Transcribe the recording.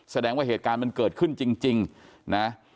แสดงว่าเหตุการณ์มันเกิดขึ้นจริงนะ